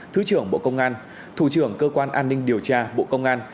thứ trưởng bộ công an thủ trưởng cơ quan an ninh điều tra bộ công an